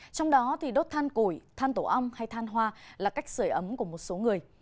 trong đó thì đốt than củi than tổ ong hay than hoa là cách sửa ấm của một số người